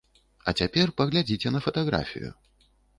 А цяпер паглядзіце на фатаграфію.